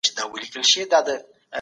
څه شی د ملکي وګړو خوندیتوب تضمینوي؟